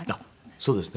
そうですね。